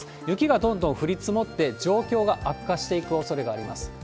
雪がどんどん降り積もって、状況が悪化していくおそれがあります。